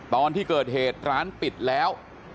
ตอนที่เกิดเหตุร้านปิดแล้ว